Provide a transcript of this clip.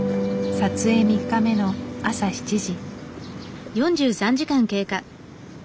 撮影３日目の朝７時。